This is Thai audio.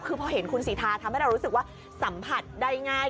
คือพอเห็นคุณสีทาทำให้เรารู้สึกว่าสัมผัสได้ง่าย